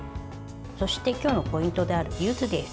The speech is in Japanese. そして今日のポイントである柚子です。